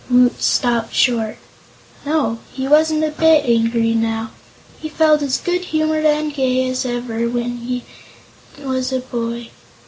Woot stopped short. No; he wasn't a bit angry now; he felt as good humored and gay as ever he did when a boy.